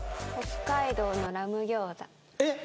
北海道のラム餃子えっ？